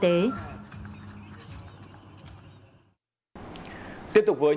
tiếp tục với những thông tin